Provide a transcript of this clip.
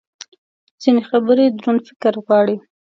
ځینې خبرې دروند فکر غواړي.